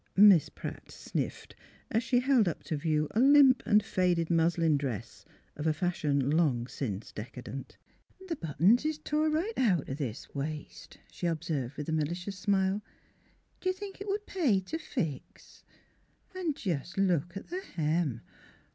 Miss Pratt sniffed, as she held up to view a limp and faded muslin dress of a fashion long since decadent. " The buttons is tore right out o* this waist," she observed, with a malicious smile. " Do you think it would pay t' fix? — An' jus' look at the hem!